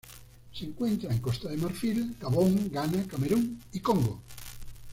Se encuentra en Costa de Marfil, Gabón, Ghana, Camerún y Congo.